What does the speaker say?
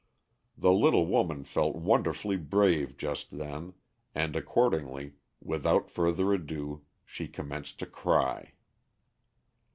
The little woman felt wonderfully brave just then, and accordingly, without further ado, she commenced to cry.